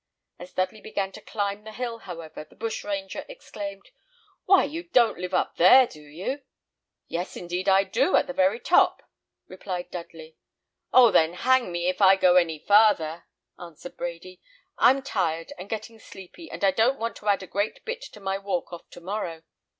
As Dudley began to climb the hill, however, the bushranger exclaimed, "Why, you don't live up there, do you?" "Yes, indeed I do, at the very top," replied Dudley. "Oh! then hang me if I go any farther," answered Brady. "I'm tired, and getting sleepy, and I don't want to add a great bit to my walk off to morrow.